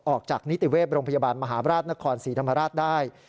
ออกจากนิติเวศโรงพยาบาลมหาบราชนครศรีธรรมราชได้